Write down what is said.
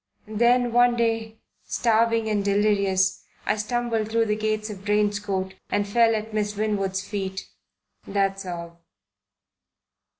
Then one day, starving and delirious, I stumbled through the gates of Drane's Court and fell at Miss Winwood's feet. That's all."